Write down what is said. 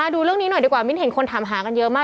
ดูเรื่องนี้หน่อยดีกว่ามิ้นเห็นคนถามหากันเยอะมาก